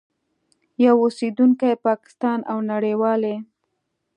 یو اوسېدونکی پاکستان او نړیوالي